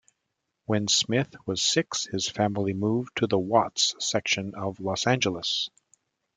When Smith was six his family moved to the Watts section of Los Angeles.